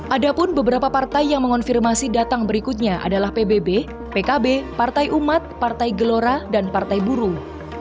ada pun beberapa partai yang mengonfirmasi datang berikutnya adalah pbb pkb partai umat partai gelora dan partai burung